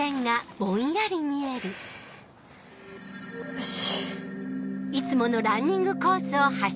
よし。